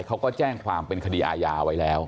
เขาก็แจ้งความเป็นคดีอาญาไว้แล้ว